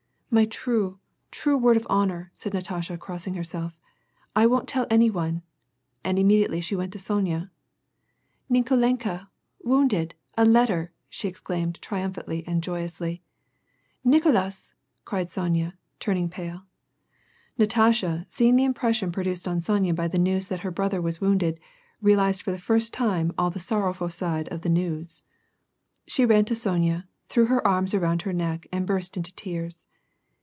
"My true, true word of honor," said Natasha crossing herself, "I won't tell any one," and she immediately went to Sonya. ''Nikolenka — wounded — a letter," she exclaimed, tri umphantly and joyously. "Nicolas !" cried Sonya, turning pale. Natasha, seeing the impression produced on Sonya by the news that her brother was wounded, realized for the first time all the sorrowful side of thia news. She ran to Sonya, threw her arms around her neck, and burst into tears.